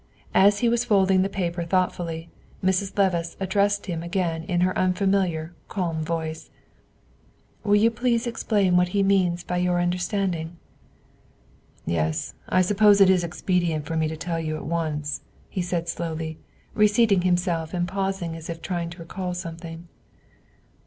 As he was folding the paper thoughtfully, Mrs. Levice addressed him again in her unfamiliar, calm voice, "Will you please explain what he means by your understanding?" "Yes; I suppose it is expedient for me to tell you at once," he said slowly, reseating himself and pausing as if trying to recall something.